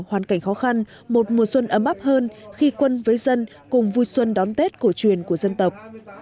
hoàn cảnh khó khăn một mùa xuân ấm áp hơn khi quân với dân cùng vui xuân đón tết cổ truyền của dân tộc